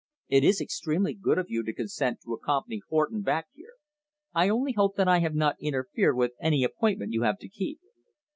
It is extremely good of you to consent to accompany Horton back here. I only hope that I have not interfered with any appointment you have to keep."